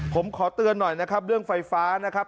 ผมขอเตือนหน่อยนะครับเรื่องไฟฟ้านะครับ